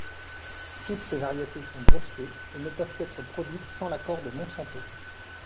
Toutes ces variétés sont brevetées et ne peuvent être produites sans l'accord de Monsanto.